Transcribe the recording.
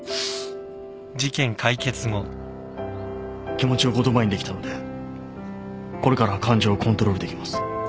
気持ちを言葉にできたのでこれからは感情をコントロールできます。